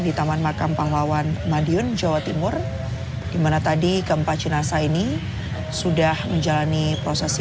di taman makam pahlawan madiun jawa timur dimana tadi keempat jenasa ini sudah menjalani prosesi